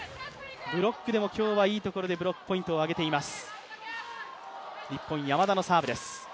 ブロックでも今日はいいところでブロックポイントを挙げています。